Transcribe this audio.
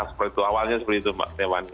seperti itu awalnya seperti itu mbak dewan